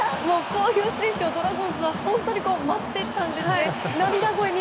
こういう選手をドラゴンズは待ってたんですね。